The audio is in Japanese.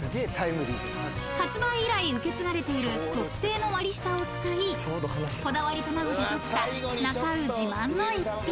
［発売以来受け継がれている特製の割り下を使いこだわり卵でとじたなか卯自慢の逸品］